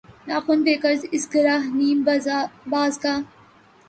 ناخن پہ قرض اس گرہ نیم باز کا